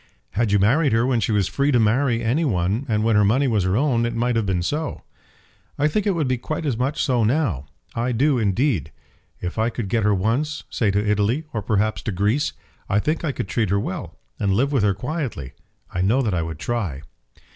"Had you married her when she was free to marry any one and when her money was her own, it might have been so." "I think it would be quite as much so now. I do, indeed. If I could get her once, say to Italy, or perhaps to Greece, I think I could treat her well, and live with her quietly. I know that I would try."